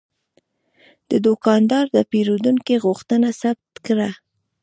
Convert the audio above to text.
دا دوکاندار د پیرودونکي غوښتنه ثبت کړه.